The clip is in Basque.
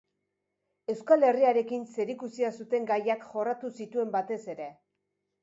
Euskal Herriarekin zerikusia zuten gaiak jorratu zituen batez ere.